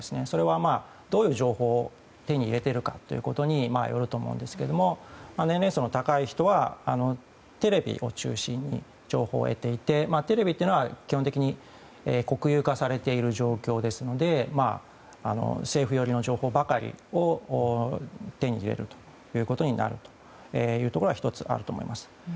それはどういう情報を手に入れているかということによるかと思うんですけど年齢層の高い人はテレビを中心に情報を得ていてテレビというのは基本的に国有化されている状況ですので政府寄りの情報ばかりを手に入れることになるというのが１つあると思います。